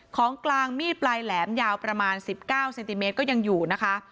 ของกลางมีดปลายแหลมยาวประมาณ๑๙เซนติเมตรก็ยังอยู่นะคะ